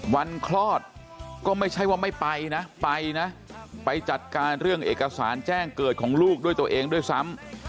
คลอดก็ไม่ใช่ว่าไม่ไปนะไปนะไปจัดการเรื่องเอกสารแจ้งเกิดของลูกด้วยตัวเองด้วยซ้ำ